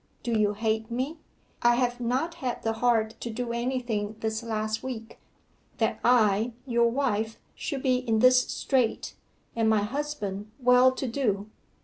Do you hate me? I have not had the heart to do anything this last week. That I, your wife, should be in this strait, and my husband well to do!